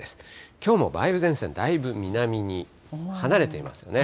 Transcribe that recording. きょうも梅雨前線、だいぶ南に離れていますね。